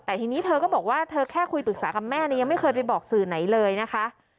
แต่ทีนี้เธอก็บอกว่าเธอแค่คุยปรึกษากับแม่เนี่ยยังไม่เคยไปบอกสื่อไหนเลยนะคะ